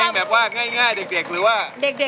เพลงแบบว่าง่ายเด็กหรือว่า